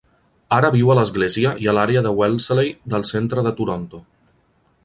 Ara viu a l'església i a l'àrea de Wellesley del centre de Toronto.